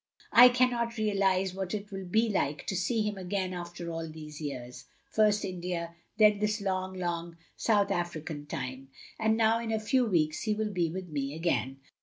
" I cannot realise what it will be like to see him again after all these years. First India — then this long, long South Mrican time. And now in a few weeks he will be with me again.